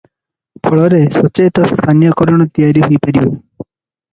ଫଳରେ ସଚେତ ସ୍ଥାନୀୟକରଣ ତିଆରି ହୋଇପାରିବ ।